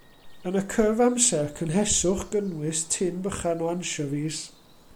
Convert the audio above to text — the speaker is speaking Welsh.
Yn y cyfamser cynheswch gynnwys tin bychan o ansiofis.